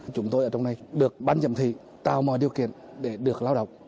chúng tôi ở trong này được ban giám thị tạo mọi điều kiện để được lao động